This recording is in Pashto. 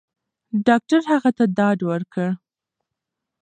ډاکټر هغه ته ډاډ ورکړ.